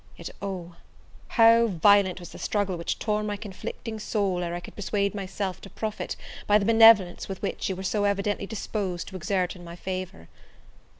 Yet, oh! how violent was the struggle which tore my conflicting soul ere I could persuade myself to profit by the benevolence which you were so evidently disposed to exert in my favour!